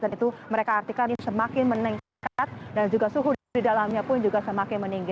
dan itu mereka artikan semakin meningkat dan juga suhu di dalamnya pun juga semakin meninggi